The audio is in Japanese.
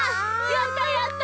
やったやった！